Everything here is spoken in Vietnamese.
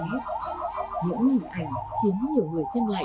những hình ảnh khiến nhiều người xem lại